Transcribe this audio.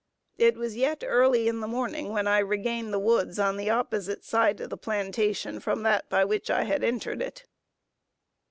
It was yet early in the morning when I regained the woods on the opposite side of the plantation from that by which I had entered it.